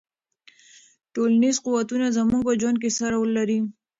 ټولنیز قوتونه زموږ په ژوند کې څه رول لري؟